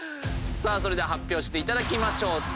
では発表していただきましょう。